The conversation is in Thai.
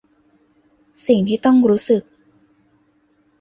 สิ่งที่ต้องรู้สึก